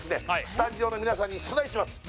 スタジオのみなさんに出題します